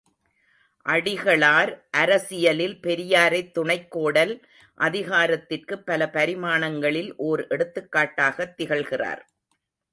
அடிகளார் அரசியலில் பெரியாரைத் துணைக்கோடல் அதிகாரத்திற்குப் பல பரிமாணங்களில் ஒர் எடுத்துக்காட்டாகத் திகழ்கிறார்.